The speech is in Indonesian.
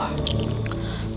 aku tidak bisa berlatih ilmu